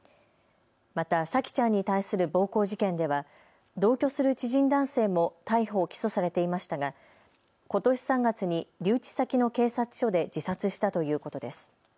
また沙季ちゃんに対する暴行事件では同居する知人男性も逮捕・起訴されていましたがことし３月に留置先の警察署で自殺したということです。